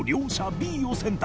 Ｂを選択